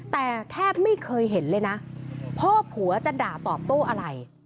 แต่แทบไม่เคยเห็นเลยนะพ่อผัวจะด่าตอบโต้อะไร